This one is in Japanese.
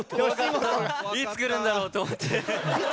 いつくるんだろうと思って。